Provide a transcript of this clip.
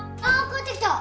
帰ってきた。